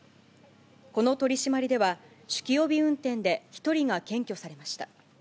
この取締りでは、酒気帯び運転で１人が検挙されました。